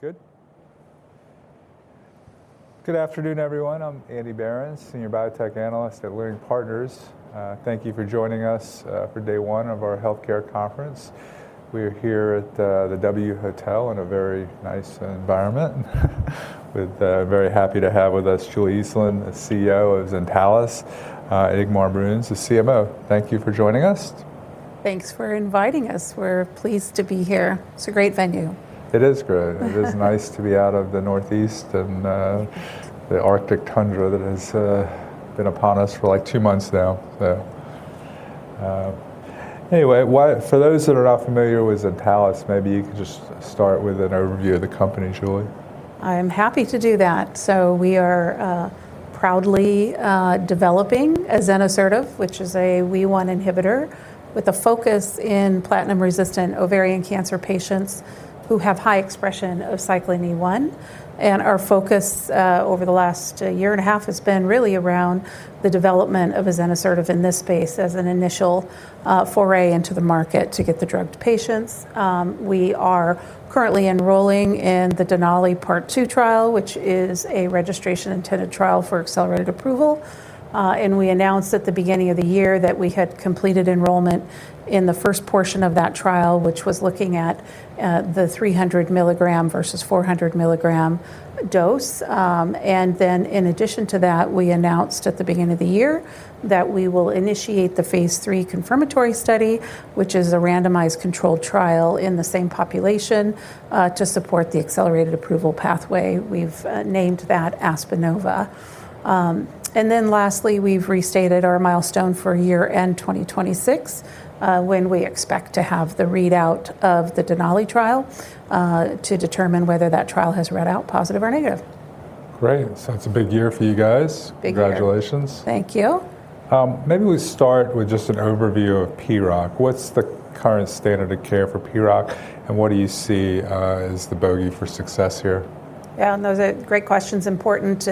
Good. Good afternoon, everyone. I'm Andrew Berens, senior biotech analyst at Leerink Partners. Thank you for joining us for day one of our healthcare conference. We're here at the W Hotel in a very nice environment. Very happy to have with us Julie Eastland, the CEO of Zentalis, Ingmar Bruns, the CMO. Thank you for joining us. Thanks for inviting us. We're pleased to be here. It's a great venue. It is good. It is nice to be out of the Northeast and the Arctic tundra that has been upon us for like two months now. For those that are not familiar with Zentalis, maybe you could just start with an overview of the company, Julie. I am happy to do that. We are proudly developing azenosertib, which is a Wee1 inhibitor with a focus in platinum-resistant ovarian cancer patients who have high expression of cyclin E1. Our focus over the last 1.5 years has been really around the development of azenosertib in this space as an initial foray into the market to get the drug to patients. We are currently enrolling in the DENALI Part 2 trial, which is a registration-intended trial for accelerated approval. We announced at the beginning of the year that we had completed enrollment in the first portion of that trial, which was looking at the 300 mg versus 400 mg dose. In addition to that, we announced at the beginning of the year that we will initiate the phase 3 confirmatory study, which is a randomized controlled trial in the same population, to support the accelerated approval pathway. We've named that ASPENOVA. Lastly, we've restated our milestone for year end 2026, when we expect to have the readout of the DENALI trial, to determine whether that trial has read out positive or negative. Great. It's a big year for you guys. Big year. Congratulations. Thank you. Maybe we start with just an overview of PROC. What's the current standard of care for PROC, what do you see, as the bogey for success here? Yeah, no, the great question's important.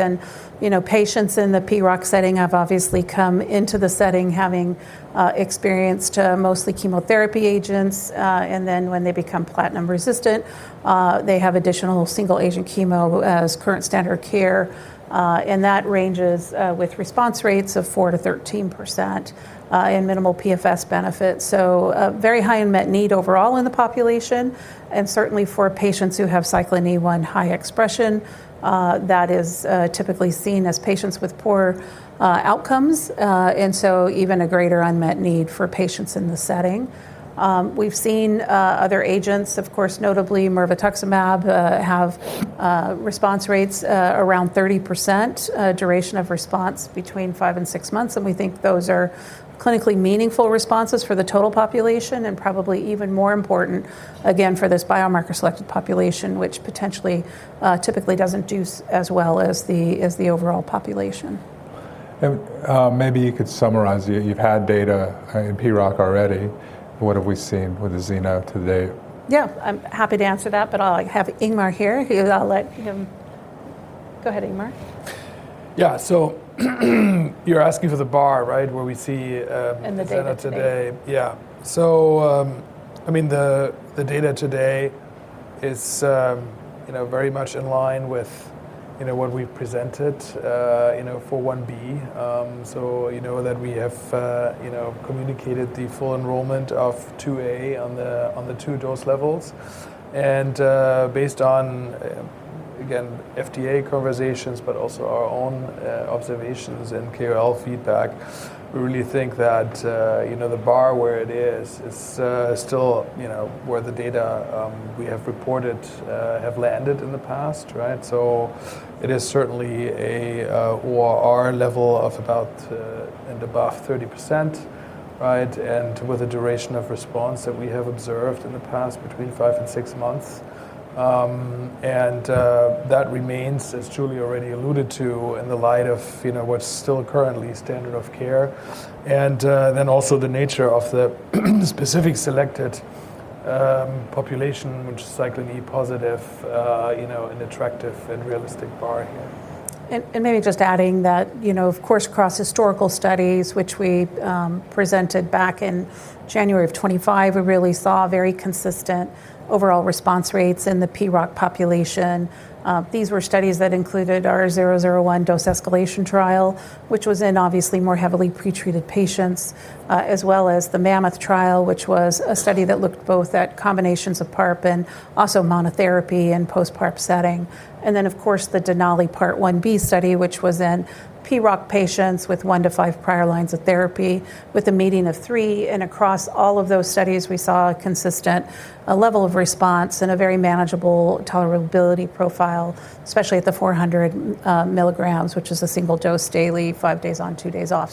You know, patients in the PROC setting have obviously come into the setting having experienced mostly chemotherapy agents. When they become platinum resistant, they have additional single agent chemo as current standard care. That ranges with response rates of 4%-13% and minimal PFS benefits. Very high unmet need overall in the population and certainly for patients who have cyclin E1 high expression, that is typically seen as patients with poor outcomes. Even a greater unmet need for patients in this setting. We've seen other agents, of course, notably mirvetuximab, have response rates around 30%, duration of response between 5 and 6 months, and we think those are clinically meaningful responses for the total population and probably even more important, again, for this biomarker selected population, which potentially typically doesn't do as well as the overall population. Maybe you could summarize. You've had data in PROC already. What have we seen with the zeno to date? Yeah, I'm happy to answer that, but I'll have Ingmar here. Go ahead, Ingmar. Yeah. You're asking for the bar, right? Where we see, The data today. zeno today. Yeah. I mean, the data today is, you know, very much in line with, you know, what we've presented, you know, for 1b. You know that we have, you know, communicated the full enrollment of 2A on the 2 dose levels. Based on, again, FDA conversations, but also our own observations and KOL feedback, we really think that, you know, the bar where it is still, you know, where the data we have reported have landed in the past, right? It is certainly a ORR level of about and above 30%, right? With the duration of response that we have observed in the past between 5 and 6 months. That remains, as Julie already alluded to, in the light of, you know, what's still currently standard of care, and then also the nature of the specific selected population, which is Cyclin E positive, you know, an attractive and realistic bar here. Maybe just adding that, you know, of course, cross-historical studies, which we presented back in January of 2025, we really saw very consistent overall response rates in the PROC population. These were studies that included our 001 dose escalation trial, which was in obviously more heavily pretreated patients, as well as the MAMMOTH trial, which was a study that looked both at combinations of PARP and also monotherapy and post-PARP setting. Of course, the DENALI part 1b study, which was in PROC patients with 1 to 5 prior lines of therapy with a median of 3. Across all of those studies, we saw a consistent level of response and a very manageable tolerability profile, especially at the 400 milligrams, which is a single dose daily, 5 days on, 2 days off.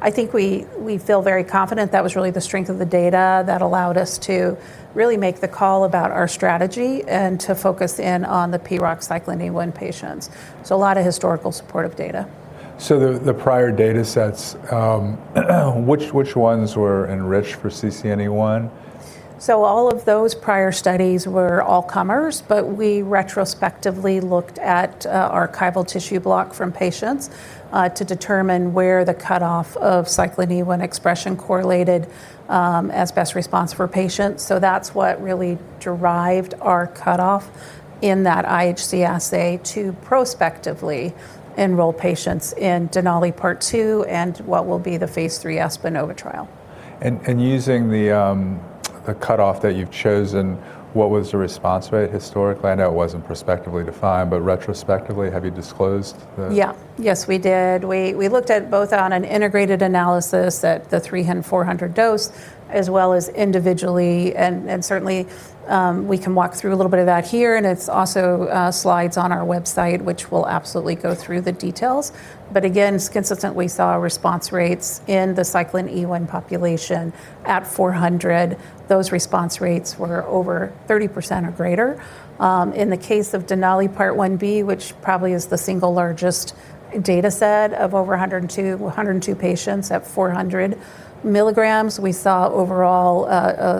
I think we feel very confident that was really the strength of the data that allowed us to really make the call about our strategy and to focus in on the PROC cyclin E1 patients. A lot of historical supportive data. The prior data sets, which ones were enriched for CCNE1? All of those prior studies were all comers, but we retrospectively looked at archival tissue block from patients to determine where the cutoff of cyclin E1 expression correlated as best response for patients. That's what really derived our cutoff in that IHC assay to prospectively enroll patients in DENALI part 2 and what will be the phase 3 ASPENOVA trial. Using the cutoff that you've chosen, what was the response rate historically? I know it wasn't prospectively defined, but retrospectively, have you disclosed? Yes, we did. We looked at both on an integrated analysis at the 400 dose as well as individually. Certainly, we can walk through a little bit of that here, and it's also slides on our website, which we'll absolutely go through the details. Again, it's consistent, we saw response rates in the cyclin E1 population at 400. Those response rates were over 30% or greater. In the case of DENALI Part 1b, which probably is the single largest data set of over 102 patients at 400 milligrams, we saw overall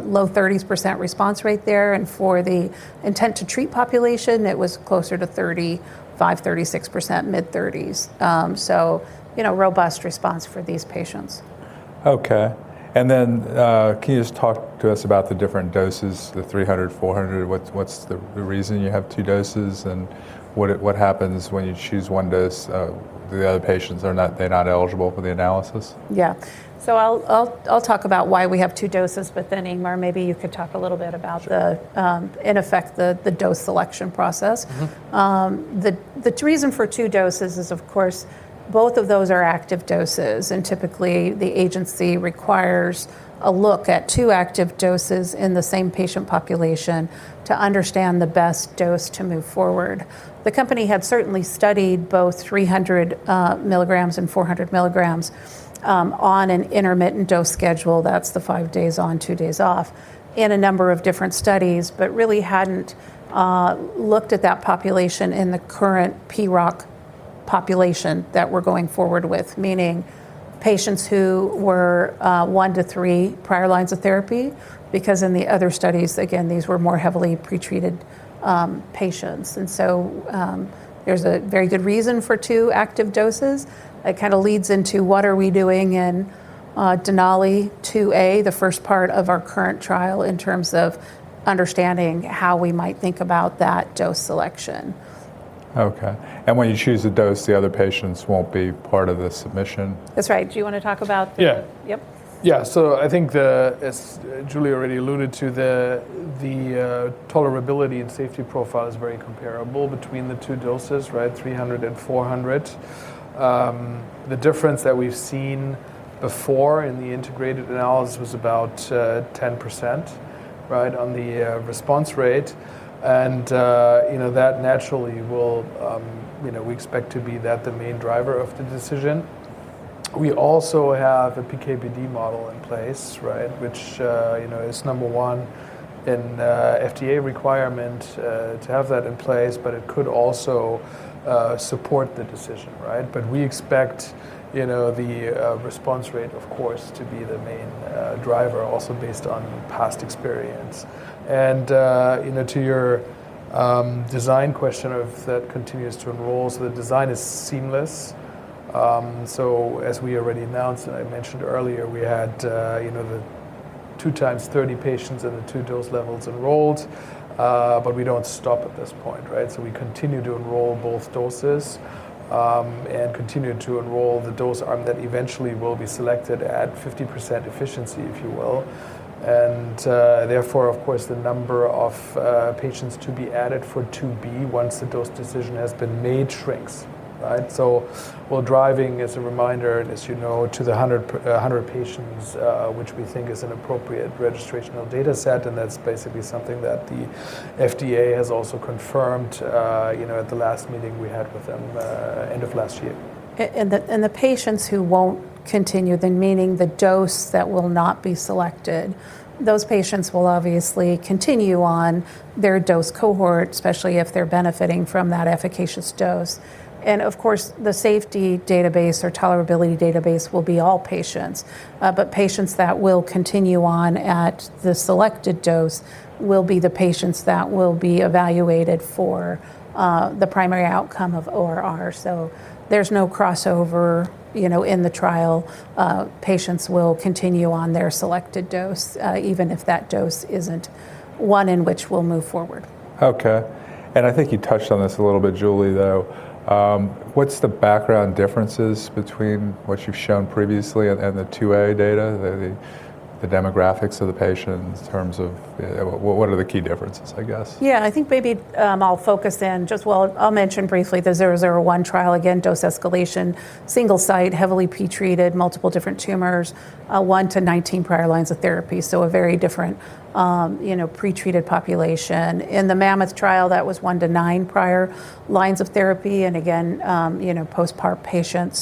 low 30s% response rate there. For the intent-to-treat population, it was closer to 35%-36%, mid-30s. You know, robust response for these patients. Okay. Can you just talk to us about the different doses, the 300, 400? What's the reason you have two doses, and what happens when you choose one dose? Do the other patients are not, they're not eligible for the analysis? Yeah. I'll talk about why we have two doses, but then, Ingmar, maybe you could talk a little bit about the, in effect, the dose selection process. Mm-hmm. The reason for 2 doses is, of course, both of those are active doses. Typically, the agency requires a look at 2 active doses in the same patient population to understand the best dose to move forward. The company had certainly studied both 300 milligrams and 400 milligrams on an intermittent dose schedule. That's the 5 days on, 2 days off, in a number of different studies, but really hadn't looked at that population in the current PROC population that we're going forward with, meaning patients who were 1-3 prior lines of therapy, because in the other studies, again, these were more heavily pretreated patients. There's a very good reason for 2 active doses. It kind of leads into what are we doing in DENALI 2a, the first part of our current trial, in terms of understanding how we might think about that dose selection. Okay. When you choose a dose, the other patients won't be part of the submission? That's right. Do you wanna talk about the-? Yeah. Yep. Yeah. I think the, as Julie already alluded to, the tolerability and safety profile is very comparable between the two doses, right, 300 and 400. The difference that we've seen before in the integrated analysis was about 10%, right, on the response rate. You know, that naturally will, you know, we expect to be that the main driver of the decision. We also have a PK/PD model in place, right, which, you know, is number one an FDA requirement to have that in place, but it could also support the decision, right? We expect, you know, the response rate, of course, to be the main driver also based on past experience. You know, to your design question of that continues to enroll. The design is seamless. As we already announced and I mentioned earlier, we had, you know, the 2 times 30 patients in the 2 dose levels enrolled, we don't stop at this point, right? We continue to enroll both doses and continue to enroll the dose arm that eventually will be selected at 50% efficiency, if you will. Therefore, of course, the number of patients to be added for 2B once the dose decision has been made shrinks, right? We're driving as a reminder and as you know, to the 100 patients, which we think is an appropriate registrational data set, and that's basically something that the FDA has also confirmed, you know, at the last meeting we had with them, end of last year. The patients who won't continue then, meaning the dose that will not be selected, those patients will obviously continue on their dose cohort, especially if they're benefiting from that efficacious dose. Of course, the safety database or tolerability database will be all patients. Patients that will continue on at the selected dose will be the patients that will be evaluated for the primary outcome of ORR. There's no crossover, you know, in the trial. Patients will continue on their selected dose, even if that dose isn't one in which we'll move forward. Okay. I think you touched on this a little bit, Julie, though. What's the background differences between what you've shown previously and the 2a data? The demographics of the patients in terms of, what are the key differences, I guess? Yeah. I think maybe, I'll focus in well, I'll mention briefly the 001 trial, again, dose escalation, single site, heavily pretreated, multiple different tumors, 1 to 19 prior lines of therapy, so a very different, you know, pretreated population. In the MAMMOTH trial, that was 1 to 9 prior lines of therapy, and again, you know, postpar patients.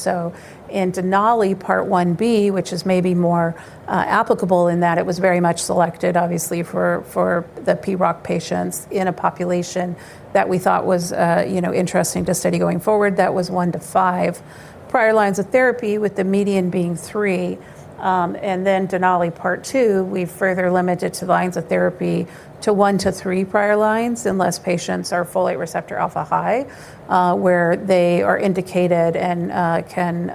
In DENALI Part 1b, which is maybe more applicable in that it was very much selected obviously for the PROC patients in a population that we thought was, you know, interesting to study going forward. That was 1 to 5 prior lines of therapy with the median being 3. DENALI Part 2, we further limited to the lines of therapy to 1 to 3 prior lines unless patients are folate receptor alpha high, where they are indicated and can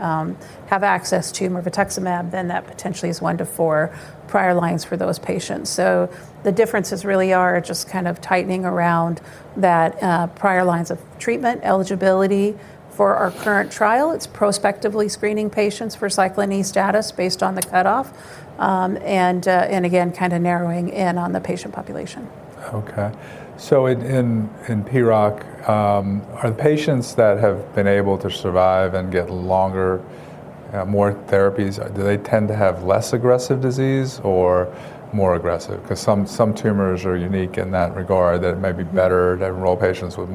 have access to mirvetuximab, then that potentially is 1 to 4 prior lines for those patients. The differences really are just kind of tightening around that prior lines of treatment, eligibility for our current trial. It's prospectively screening patients for cyclin E status based on the cutoff, and again, kind of narrowing in on the patient population. In PROC, are the patients that have been able to survive and get longer, more therapies, do they tend to have less aggressive disease or more aggressive? Some tumors are unique in that regard that it may be better to enroll patients with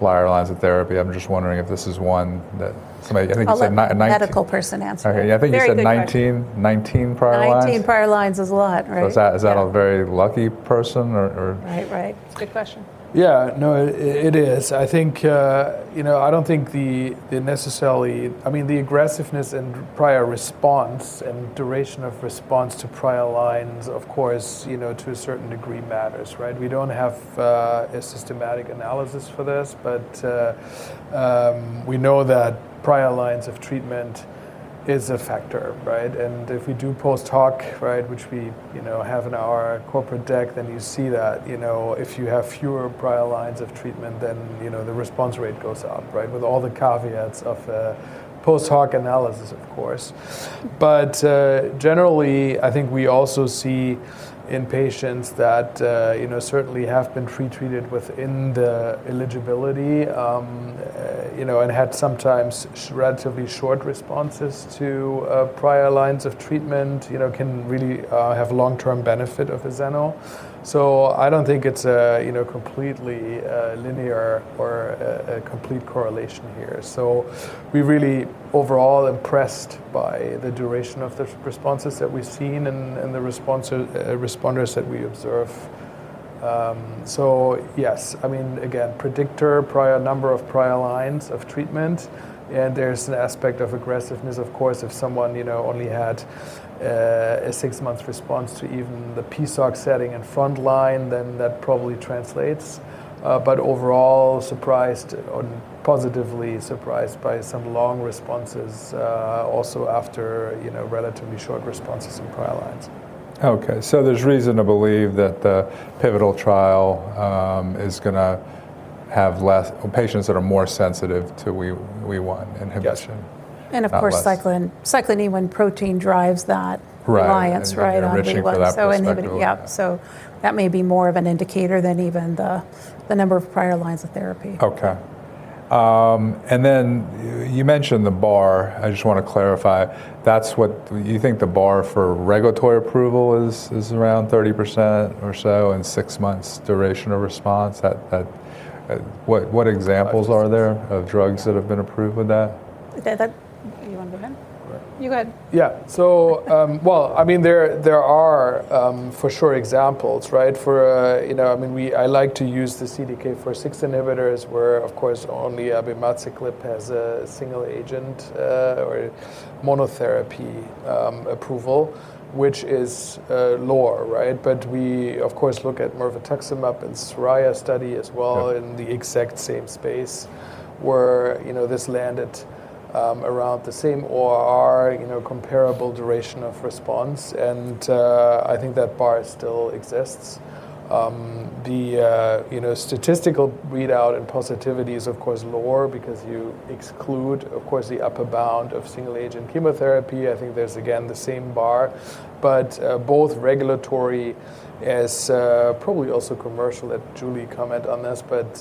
more prior lines of therapy. I'm just wondering if this is one that somebody. I think you said 19. I'll let the medical person answer that. Okay. Yeah. Very good question. I think you said 19 prior lines. 19 prior lines is a lot, right? Yeah. Is that a very lucky person or? Right. Right. It's a good question. No, it is. I think, you know, I don't think the, it necessarily... I mean, the aggressiveness and prior response and duration of response to prior lines, of course, you know, to a certain degree matters, right? We don't have a systematic analysis for this, we know that prior lines of treatment is a factor, right? If we do post hoc, right, which we, you know, have in our corporate deck, then you see that, you know, if you have fewer prior lines of treatment, then, you know, the response rate goes up, right? With all the caveats of post hoc analysis, of course. Generally, I think we also see in patients that, you know, certainly have been pre-treated within the eligibility, you know, and had sometimes relatively short responses to prior lines of treatment, you know, can really have long-term benefit of the Zeno. I don't think it's a, you know, completely linear or a complete correlation here. We really overall impressed by the duration of the responses that we've seen and the response responders that we observe. Yes, I mean, again, predictor, prior number of prior lines of treatment, and there's an aspect of aggressiveness, of course, if someone, you know, only had a 6-month response to even the PSOC setting and front line, then that probably translates. overall surprised or positively surprised by some long responses, also after, you know, relatively short responses in prior lines. Okay. There's reason to believe that the pivotal trial, is gonna have less-- or patients that are more sensitive to Wee1 inhibition. Yes. of course, cyclin E1 protein drives that... Right... alliance right on Wee1. Enriching for that perspective. inhibiting. Yep. That may be more of an indicator than even the number of prior lines of therapy. Okay. You mentioned the bar. I just wanna clarify. Do you think the bar for regulatory approval is around 30% or so and 6 months duration of response? That... what examples are there of drugs that have been approved with that? That. You wanna go ahead? Right. You go ahead. Well, I mean, there are, for sure examples, right? For, you know, I mean, I like to use the CDK4/6 inhibitors, where, of course, only abemaciclib has a single agent, or monotherapy, approval, which is lower, right? We, of course, look at mirvetuximab and SORAYA study as well... Yeah... in the exact same space, where, you know, this landed, around the same OR, you know, comparable duration of response. I think that bar still exists. The, you know, statistical readout and positivity is of course lower because you exclude, of course, the upper bound of single agent chemotherapy. I think there's again, the same bar, but both regulatory as probably also commercial, let Julie comment on this, but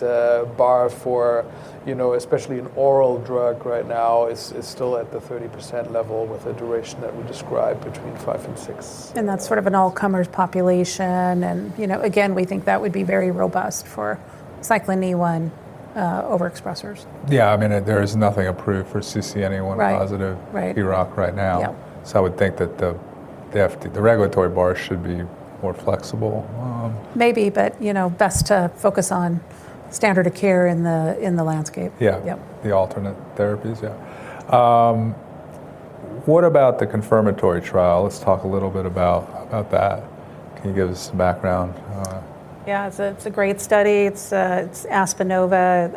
bar for, you know, especially an oral drug right now is still at the 30% level with the duration that we described between 5 and 6. That's sort of an all-comers population. You know, again, we think that would be very robust for cyclin E1, overexpressers. Yeah. I mean, there is nothing approved for CCNE1 positive- Right. Right... P-ROC right now. Yep. I would think that the FT, the regulatory bar should be more flexible. Maybe, you know, best to focus on standard of care in the landscape. Yeah. Yep. The alternate therapies. Yeah. What about the confirmatory trial? Let's talk a little bit about that. Can you give us some background on it? Yeah. It's a great study. It's ASPENOVA.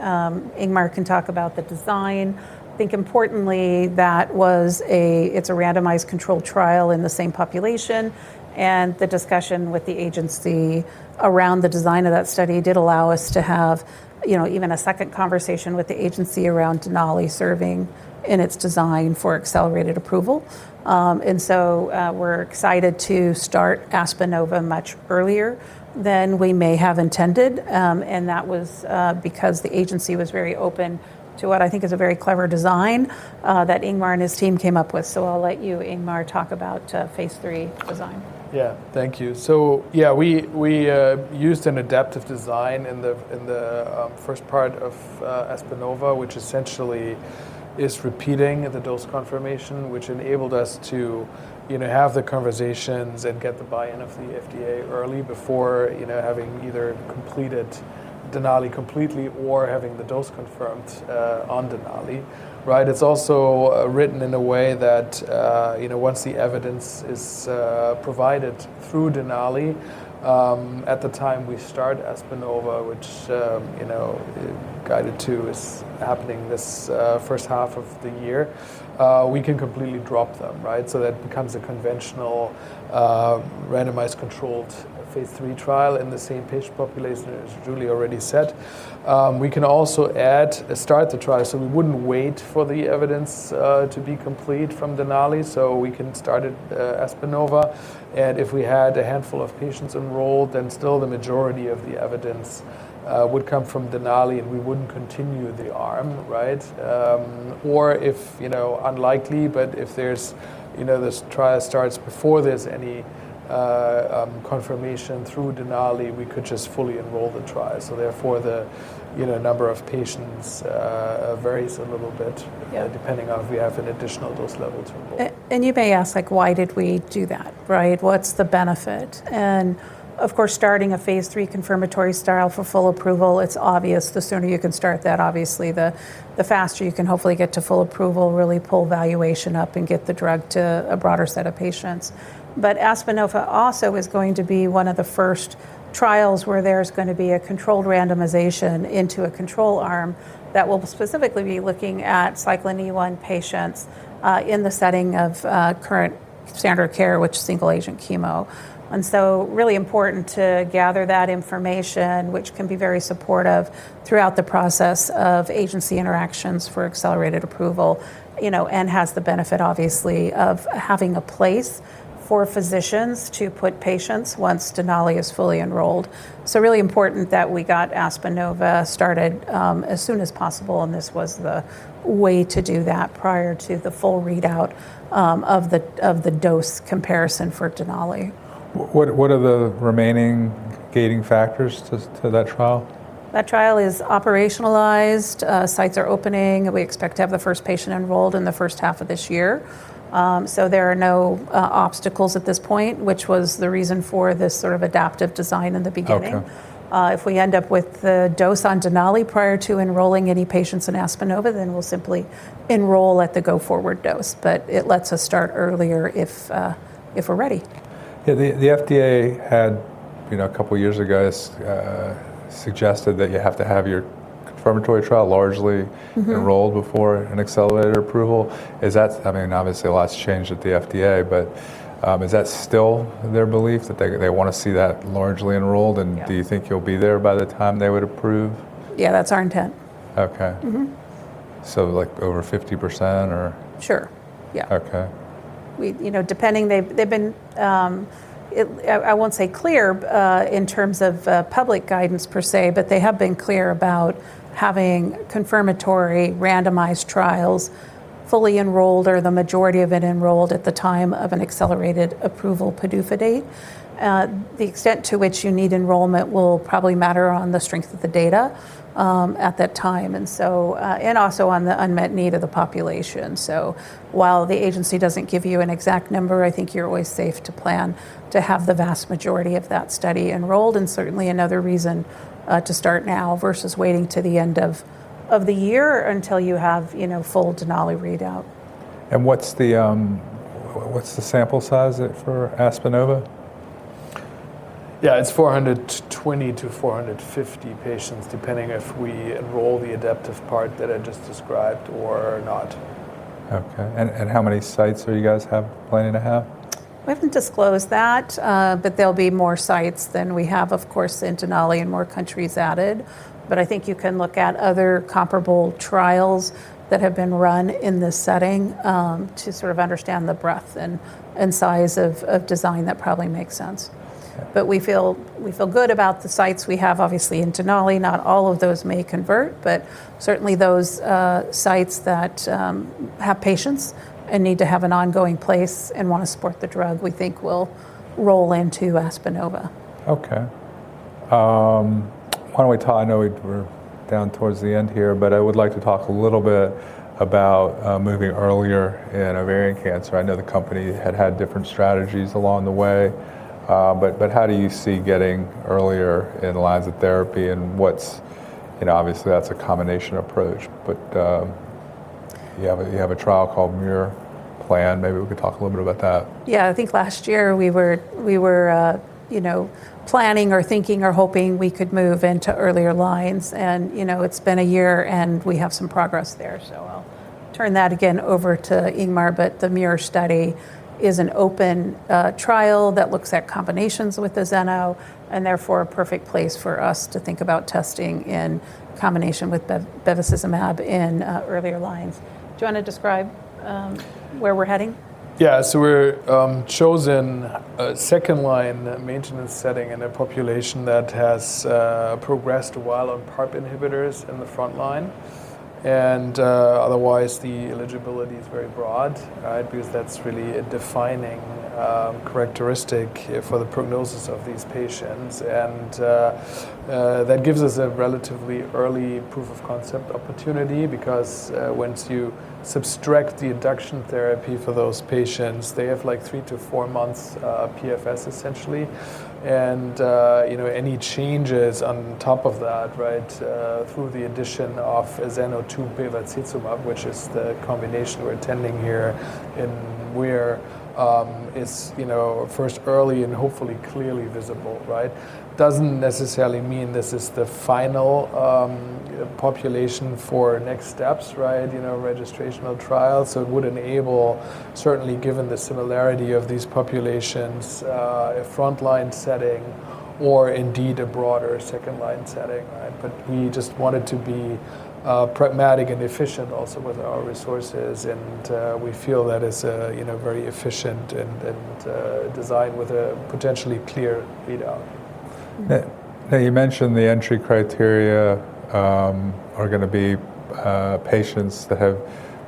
Ingmar can talk about the design. I think importantly, that was a, it's a randomized controlled trial in the same population, the discussion with the agency around the design of that study did allow us to have, you know, even a second conversation with the agency around DENALI serving in its design for accelerated approval. We're excited to start ASPENOVA much earlier than we may have intended. That was because the agency was very open to what I think is a very clever design that Ingmar and his team came up with. I'll let you, Ingmar, talk about Phase 3 design. Yeah. Thank you. Yeah, we used an adaptive design in the first part of ASPENOVA, which essentially is repeating the dose confirmation, which enabled us to, you know, have the conversations and get the buy-in of the FDA early before, you know, having either completed DENALI completely or having the dose confirmed on DENALI, right? It's also written in a way that, you know, once the evidence is provided through DENALI, at the time we start ASPENOVA, which, you know, guided to is happening this first half of the year, we can completely drop them, right? That becomes a conventional, randomized controlled phase 3 trial in the same patient population as Julie already said. We can also add a start to trial, we wouldn't wait for the evidence to be complete from DENALI, we can start ASPENOVA. If we had a handful of patients enrolled, then still the majority of the evidence would come from DENALI, and we wouldn't continue the arm, right? If, you know, unlikely, You know, this trial starts before there's any confirmation through DENALI. We could just fully enroll the trial. Therefore the, you know, number of patients varies a little bit. Yeah... depending on if we have an additional dose level to enroll. You may ask, like, why did we do that, right? What's the benefit? Of course, starting a phase 3 confirmatory style for full approval, it's obvious the sooner you can start that, obviously the faster you can hopefully get to full approval, really pull valuation up and get the drug to a broader set of patients. ASPENOVA also is going to be one of the first trials where there's gonna be a controlled randomization into a control arm that will specifically be looking at cyclin E1 patients in the setting of current standard care, which is single-agent chemo. Really important to gather that information, which can be very supportive throughout the process of agency interactions for accelerated approval, you know, and has the benefit, obviously, of having a place for physicians to put patients once DENALI is fully enrolled. Really important that we got ASPENOVA started, as soon as possible, and this was the way to do that prior to the full readout of the dose comparison for DENALI. What are the remaining gating factors to that trial? That trial is operationalized. Sites are opening. We expect to have the first patient enrolled in the first half of this year. There are no obstacles at this point, which was the reason for this sort of adaptive design in the beginning. Okay. If we end up with the dose on DENALI prior to enrolling any patients in ASPENOVA, we'll simply enroll at the go-forward dose. It lets us start earlier if we're ready. Yeah. The FDA had, you know, a couple years ago suggested that you have to have your confirmatory trial largely- Mm-hmm... enrolled before an accelerated approval. Is that... I mean, obviously a lot's changed at the FDA, but, is that still their belief that they wanna see that largely enrolled- Yeah... do you think you'll be there by the time they would approve? Yeah, that's our intent. Okay. Mm-hmm. like, over 50% or? Sure. Yeah. Okay. You know, depending. They've been, I won't say clear in terms of public guidance per se, but they have been clear about having confirmatory randomized trials fully enrolled or the majority of it enrolled at the time of an accelerated approval PDUFA date. The extent to which you need enrollment will probably matter on the strength of the data at that time and also on the unmet need of the population. While the agency doesn't give you an exact number, I think you're always safe to plan to have the vast majority of that study enrolled and certainly another reason to start now versus waiting to the end of the year until you have, you know, full DENALI readout. What's the sample size for ASPENOVA? Yeah. It's 420-450 patients, depending if we enroll the adaptive part that I just described or not. Okay. How many sites are you guys planning to have? We haven't disclosed that. There'll be more sites than we have, of course, in DENALI and more countries added. I think you can look at other comparable trials that have been run in this setting to sort of understand the breadth and size of design that probably makes sense. Okay. We feel good about the sites we have, obviously, in DENALI. Not all of those may convert, but certainly those sites that have patients and need to have an ongoing place and wanna support the drug, we think will roll into ASPENOVA. Okay. I know we're down towards the end here, but I would like to talk a little bit about moving earlier in ovarian cancer. I know the company had different strategies along the way, but how do you see getting earlier in lines of therapy and what's... You know, obviously that's a combination approach, but you have a trial called MIRROR planned. Maybe we could talk a little bit about that. I think last year we were, you know, planning or thinking or hoping we could move into earlier lines and, you know, it's been a year, and we have some progress there. I'll turn that again over to Ingmar, but the MIRROR study is an open trial that looks at combinations with the Zeno and therefore a perfect place for us to think about testing in combination with bevacizumab in earlier lines. Do you wanna describe where we're heading? We're chosen a second-line maintenance setting in a population that has progressed while on PARP inhibitors in the front line and otherwise the eligibility is very broad because that's really a defining characteristic for the prognosis of these patients. That gives us a relatively early proof of concept opportunity because once you subtract the induction therapy for those patients, they have like 3 to 4 months PFS essentially, and you know, any changes on top of that, right, through the addition of ZNO-02 plus bevacizumab, which is the combination we're attending here in MIRROR, is, you know, first early and hopefully clearly visible, right? Doesn't necessarily mean this is the final population for next steps, right, you know, registrational trials. It would enable certainly given the similarity of these populations, a front-line setting or indeed a broader second-line setting, right? We just wanted to be pragmatic and efficient also with our resources, and we feel that is, you know, very efficient and designed with a potentially clear readout. You mentioned the entry criteria, are gonna be patients that have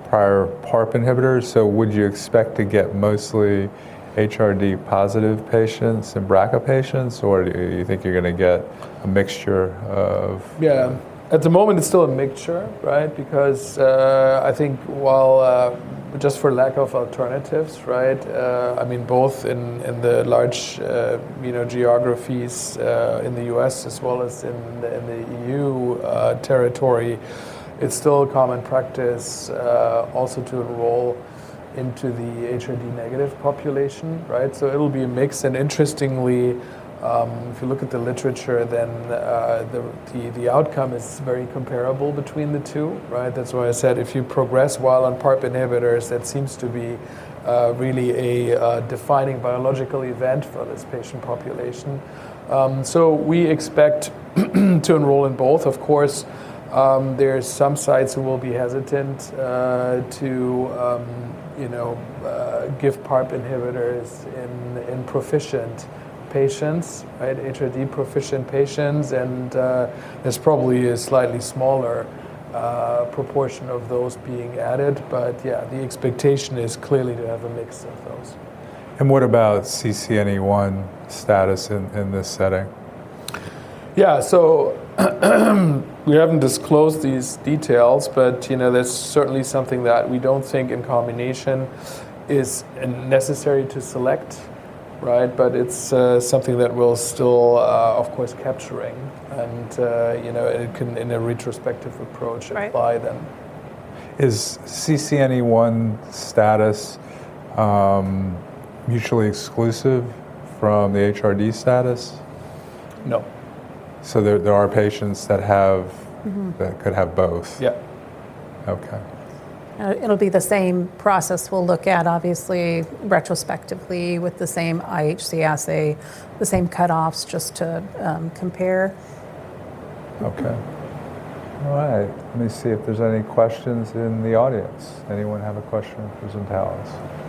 prior PARP inhibitors. Would you expect to get mostly HRD positive patients and BRCA patients? Or do you think you're gonna get a mixture? At the moment, it's still a mixture, right? Because, I think while, just for lack of alternatives, right? I mean both in the large, you know, geographies, in the US as well as in the, in the EU, territory, it's still a common practice, also to enroll into the HRD negative population, right? It'll be a mix, and interestingly, if you look at the literature, then, the, the outcome is very comparable between the two, right? That's why I said if you progress while on PARP inhibitors, that seems to be, really a, defining biological event for this patient population. We expect to enroll in both. Of course, there are some sites who will be hesitant, to, you know, give PARP inhibitors in proficient patients, right, HRD proficient patients, and there's probably a slightly smaller, proportion of those being added. Yeah, the expectation is clearly to have a mix of those. What about CCNE1 status in this setting? Yeah. We haven't disclosed these details, but, you know, that's certainly something that we don't think in combination is necessary to select, right? It's something that we're still, of course capturing and, you know, it can in a retrospective approach. Right... apply them. Is CCNE1 status, mutually exclusive from the HRD status? No. There are patients that. Mm-hmm... that could have both. Yeah. Okay. It'll be the same process we'll look at obviously retrospectively with the same IHC assay, the same cutoffs just to compare. Okay. All right. Let me see if there's any questions in the audience. Anyone have a question for some panelists?